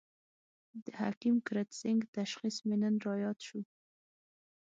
د حکیم کرت سېنګ تشخیص مې نن را ياد شو.